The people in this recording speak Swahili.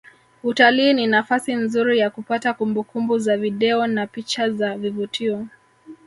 Utalii ni nafasi nzuri ya kupata kumbukumbu za video na picha za vivutio